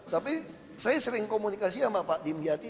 tapi saya sering komunikasi dengan pak dimyati